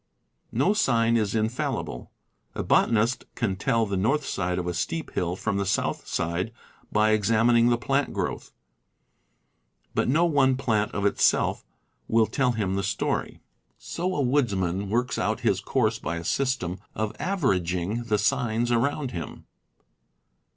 No one sign is infallible. A botanist can tell the north side of a steep hill from the south side by exam ining the plant growth; but no one plant of itself will tell him the story. So a woodsman works out his course by a system of averaging the signs around him.